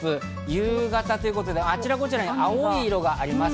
夕方ということで、あちらこちら青色があります。